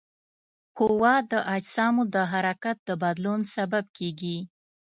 قوه د اجسامو د حرکت د بدلون سبب کیږي.